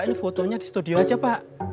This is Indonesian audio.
jangan bapak ini fotonya di studio aja pak